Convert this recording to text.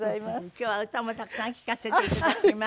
今日は歌もたくさん聴かせて頂きます。